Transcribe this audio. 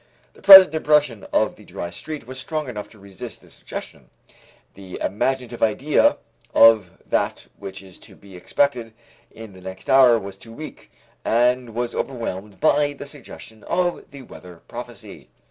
The present impression of the dry street was strong enough to resist the suggestion, the imaginative idea of that which is to be expected in the next hour was too weak, and was overwhelmed by the suggestion of the weather prophecy.